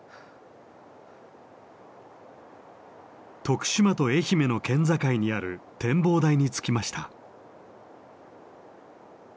徳島と愛媛の県境にある展望台に着きました。